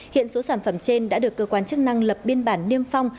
hiện số sản phẩm trên đã được cơ quan chức năng lập biên bản niêm phong